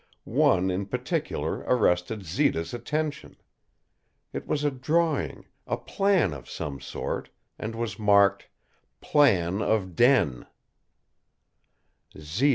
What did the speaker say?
One in particular arrested Zita's attention. It was a drawing, a plan of some sort, and was marked, "Plan of Den."